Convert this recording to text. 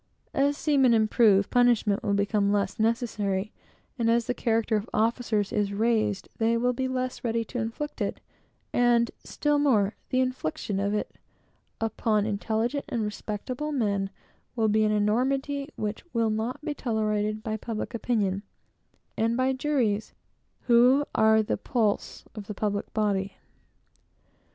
As seamen improve, punishment will become less necessary; and as the character of officers is raised, they will be less ready to inflict it; and, still more, the infliction of it upon intelligent and respectable men, will be an enormity which will not be tolerated by public opinion, and by juries, who are the pulse of the body politic.